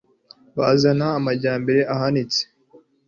bazana amajyambere ahanitse